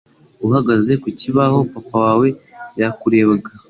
Uhagaze ku kibaho, papa wawe yakurebaga